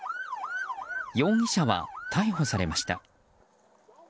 容疑者は、逮捕されました。